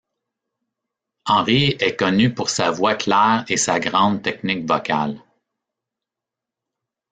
Henry est connu pour sa voix claire et sa grande technique vocale.